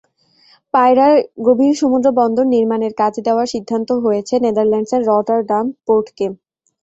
পায়রায় গভীর সমুদ্রবন্দর নির্মাণের কাজ দেওয়ার সিদ্ধান্ত হয়েছে নেদারল্যান্ডসের রটারডাম পোর্টকে।